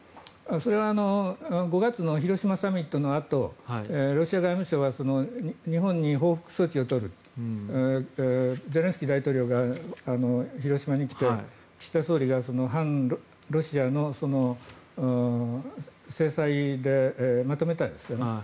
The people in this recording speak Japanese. それは５月の広島サミットのあとロシア外務省は日本に報復措置を取るゼレンスキー大統領が広島に来て岸田総理が反ロシアの制裁でまとめましたよね。